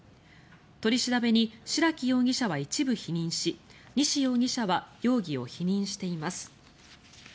取り調べに白木容疑者は一部否認し西容疑者は容疑を否認しています。